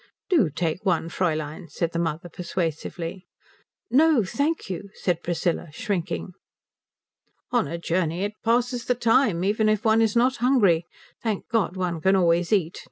"Do take one, Fräulein," said the mother, persuasively. "No thank you," said Priscilla, shrinking. "On a journey it passes the time. Even if one is not hungry, thank God one can always eat.